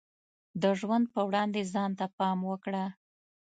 د ژوند په وړاندې ځان ته پام وکړه.